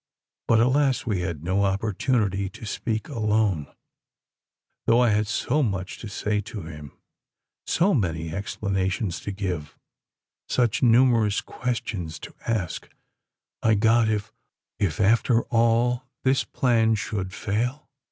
But, alas! we had no opportunity to speak alone—though I had so much to say to him—so many explanations to give—such numerous questions to ask——My God! if after all, this plan should fail!"